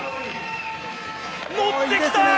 乗ってきた！